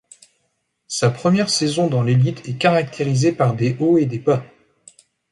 Sa première saison dans l'élite est caractérisé par des hauts et des bas.